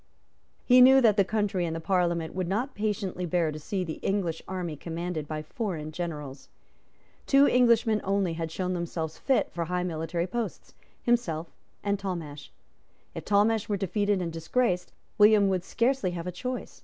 He knew that the country and the Parliament would not patiently bear to see the English army commanded by foreign generals. Two Englishmen only had shown themselves fit for high military posts, himself and Talmash. If Talmash were defeated and disgraced, William would scarcely have a choice.